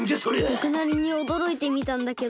ぼくなりにおどろいてみたんだけど。